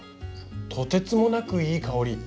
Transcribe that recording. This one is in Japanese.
とてつもなくいい香り。